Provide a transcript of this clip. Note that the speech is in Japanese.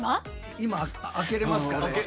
今開けれますかね？